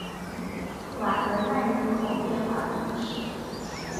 瓦德奈人口变化图示